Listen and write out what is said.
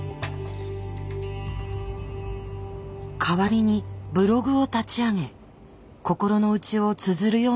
代わりにブログを立ち上げ心の内をつづるようになったんです。